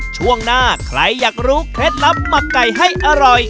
ช่วงหน้าใครอยากรู้เคล็ดลับหมักไก่ให้อร่อย